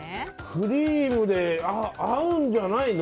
クリームで合うんじゃないの？